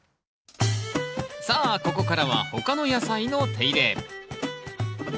さあここからは他の野菜の手入れ。